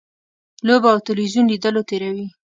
لوبو او تلویزیون لیدلو تېروي.